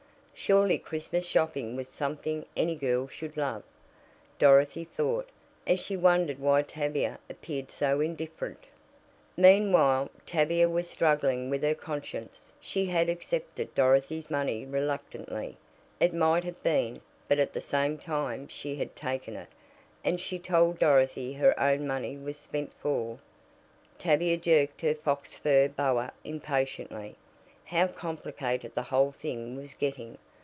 Surely Christmas shopping was something any girl should love, Dorothy thought, as she wondered why Tavia appeared so indifferent. Meanwhile, Tavia was struggling with her conscience. She had accepted Dorothy's money reluctantly, it might have been, but at the same time she had taken it. And she told Dorothy her own money was spent for Tavia jerked her fox fur boa impatiently. How complicated the whole thing was getting!